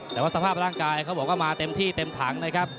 แต่ว่าสภาพร่างกายเขาบอกว่ามาเต็มที่เต็มถังนะครับ